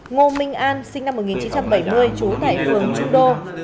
ngô minh an sinh năm một nghìn chín trăm bảy mươi trú tại phường trung đô